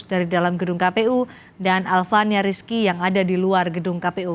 dari dalam gedung kpu dan alvania rizky yang ada di luar gedung kpu